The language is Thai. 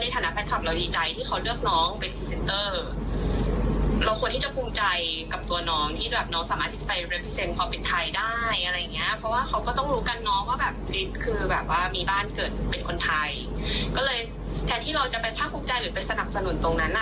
แทนที่เราจะไปผ้าคุกใจหรือไปสนับสนุนตรงนั้น